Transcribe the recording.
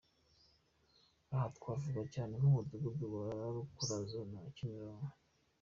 Aha twavuga cyane Umudugudu wa Rukurazo na Kimironko.